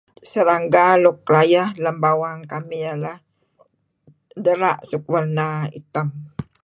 Serangga luk rayeh lem bawang kamih ialah dera' suk warna item.